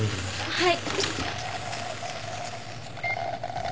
はい。